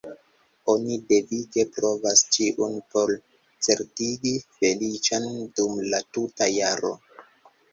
Oni devige provas ĉiun por certigi feliĉon dum la tuta jaro.